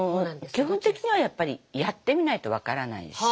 基本的にはやっぱりやってみないと分からないし。